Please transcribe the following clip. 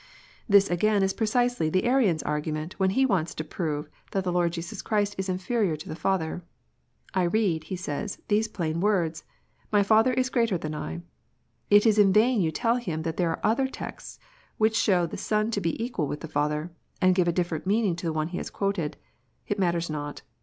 This again is precisely the Arian s argument, when he wants to prove that the Lord Jesus Christ is inferior to the lather. " I read," he says, " these plain words, < My Father is greater than I " It is in vain you tell him that there are other texts which show the Son to be equal with the Father, and give a different meaning to the one he has quoted. It matters not.